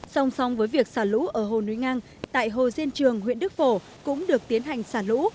song song với việc xả lũ ở hồ núi ngang tại hồ diên trường huyện đức phổ cũng được tiến hành xả lũ